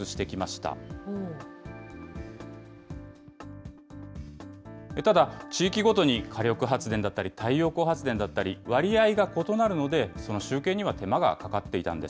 ただ、地域ごとに火力発電だったり太陽光発電だったり、割合が異なるので、その集計には手間がかかっていたんです。